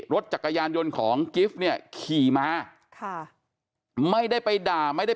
รถจักรยานยนต์ของกิฟต์เนี่ยขี่มาค่ะไม่ได้ไปด่าไม่ได้